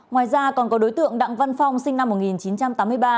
ngoài ra còn có đối tượng đặng văn phong sinh năm một nghìn chín trăm tám mươi ba